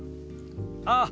ああ。